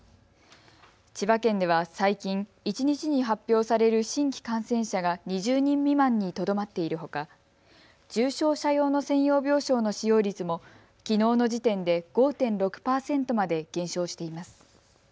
千葉県では最近、一日に発表される新規感染者が２０人未満にとどまっているほか重症者用の専用病床の使用率もきのうの時点で５．６％まで減少しています。